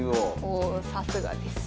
おさすがです。